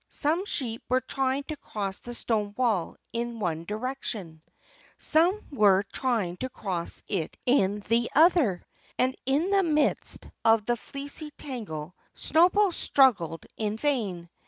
Some sheep were trying to cross the stone wall in one direction. Some were trying to cross it in the other. And in the midst of the fleecy tangle Snowball struggled in vain.